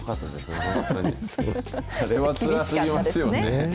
あれはつらすぎますよね。